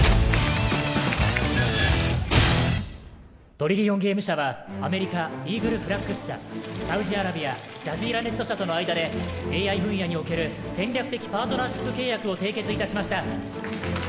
・トリリオンゲーム社はアメリカイーグルフラッグス社サウジアラビアジャジーラネット社との間でＡＩ分野における戦略的パートナーシップ契約を締結いたしました